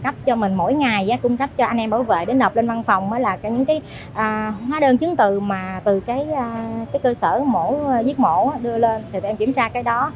cái cơ sở giết mổ đưa lên thì đem kiểm tra cái đó